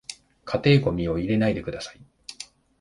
家庭ゴミを入れないでください